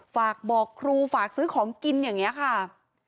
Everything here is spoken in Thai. ฝากบอกครูฝากซื้อของกินอย่างนี้ค่ะ